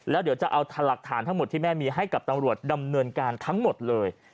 แล้วเดี๋ยวจะเอาหลักฐานทั้งหมดที่แม่มีให้กับตำรวจดำเนินการทั้งหมดเลย